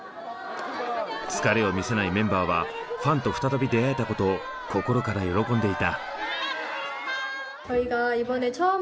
疲れを見せないメンバーはファンと再び出会えたことを心から喜んでいた。